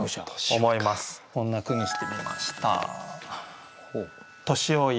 こんな句にしてみました。